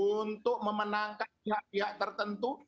untuk memenangkan pihak pihak tertentu